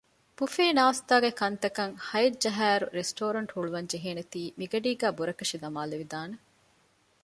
ބުފޭ ނާސްތާގެ ކަންތަކަށް ހައެއް ޖަހާއިރު ރެސްޓޯރެންޓު ހުޅުވަން ޖެހޭނޭތީ މިގަޑީގައި ބުރަކަށި ދަމާލެވިދާނެ